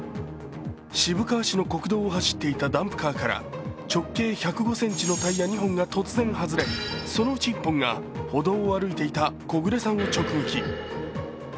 渋川市の国道を走っていたダンプカーから直径１０５ｃｍのタイヤ２本が突然外れそのうち１本が歩道を歩いていた木暮さんを直撃。